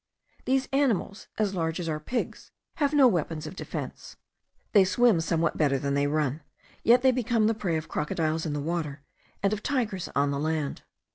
These animals, as large as our pigs, have no weapons of defence; they swim somewhat better than they run: yet they become the prey of the crocodiles in the water, and of the tigers on land.